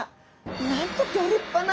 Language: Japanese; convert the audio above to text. なんとギョ立派な。